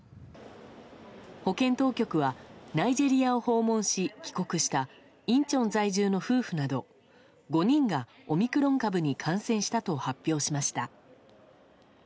保健当局はナイジェリアを訪問し帰国したインチョン在住の夫婦など５人がオミクロン株に感染したと発表しました。